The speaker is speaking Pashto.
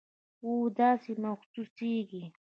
او داسې محسوسیږي